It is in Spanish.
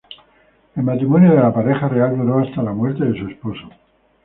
El matrimonio de la pareja real duró hasta la muerte de su esposo.